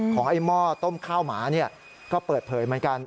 ไอ้หม้อต้มข้าวหมาก็เปิดเผยเหมือนกัน